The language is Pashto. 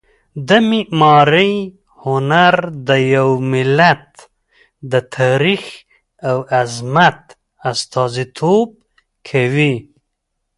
د معمارۍ هنر د یو ملت د تاریخ او عظمت استازیتوب کوي.